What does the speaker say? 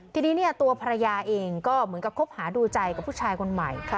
ทีนี้เนี่ยตัวภรรยาเองก็เหมือนกับคบหาดูใจกับผู้ชายคนใหม่